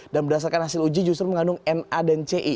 dan berdasarkan hasil uji justru mengandung ma dan ci